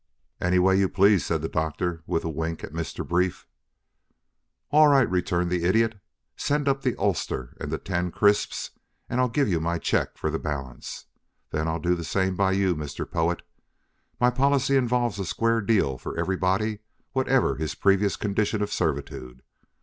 "Any way you please," said the Doctor, with a wink at Mr. Brief. "All right," returned the Idiot. "Send up the ulster and the ten crisps and I'll give you my check for the balance. Then I'll do the same by you, Mr. Poet. My policy involves a square deal for everybody whatever his previous condition of servitude.